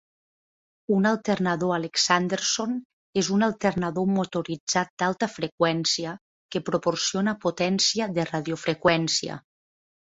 Un alternador Alexanderson és un alternador motoritzat d'alta freqüència que proporciona potència de radiofreqüència.